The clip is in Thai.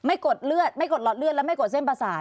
กดเลือดไม่กดหลอดเลือดแล้วไม่กดเส้นประสาท